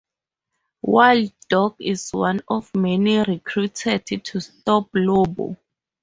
Wild Dog is one of many recruited to stop Lobo.